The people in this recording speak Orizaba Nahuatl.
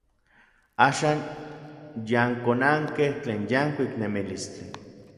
Axan yankonankej tlen yankuik nemilistli.